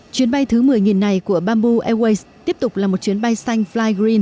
chuyến bay thứ một mươi này của bamboo airways tiếp tục là một chuyến bay sáng